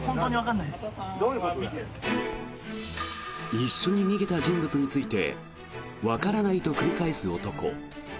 一緒に逃げた人物についてわからないと繰り返す男。